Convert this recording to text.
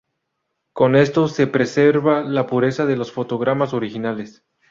Con esto se preserva la pureza de los fotogramas originales.